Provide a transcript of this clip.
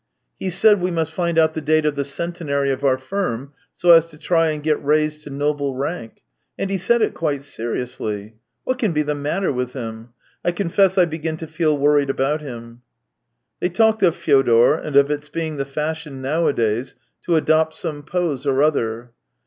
He said we must find out the date of the centenary of our firm, so as to try and get raised to noble rank; and he said it quite seriously. What can be the matter with him ? I confess I begin to feel worried about him." They talked of Fyodor, and of its being the fashion nowadays to adopt some pose or other.